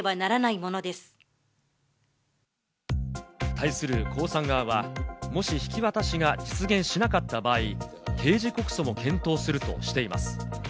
対するコウさん側は、もし引き渡しが実現しなかった場合、刑事告訴も検討するとしています。